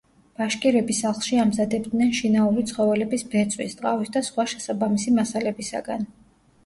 ბაშკირები სახლში ამზადებდნენ შინაური ცხოველების ბეწვის, ტყავის და სხვა შესაბამისი მასალებისაგან.